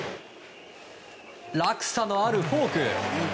落差のあるフォーク。